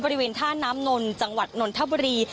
บริเวณท่าน้ำนนต์จังหวัดนนต์ธับบรี